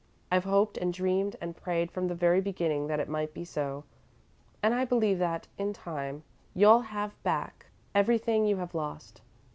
I've hoped and dreamed and prayed from the very beginning that it might be so, and I believe that, in time, you'll have back everything you have lost.